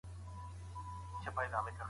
هلک د کړکۍ تر څنگ ناست و.